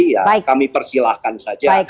ya kami persilahkan saja